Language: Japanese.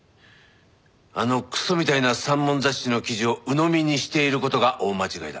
あのクソみたいな三文雑誌の記事をうのみにしている事が大間違いだ。